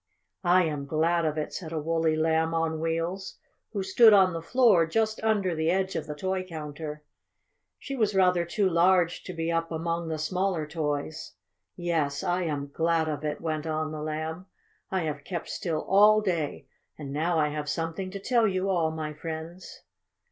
"I am glad of it," said a woolly Lamb on Wheels, who stood on the floor, just under the edge of the toy counter. She was rather too large to be up among the smaller toys. "Yes, I am glad of it," went on the Lamb. "I have kept still all day, and now I have something to tell you all, my friends."